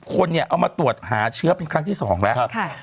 คนเนี่ยเอามาตรวจหาเชื้อเป็นครั้งที่๒แล้ว